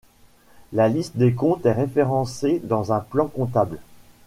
La liste des comptes est référencée dans un plan comptable.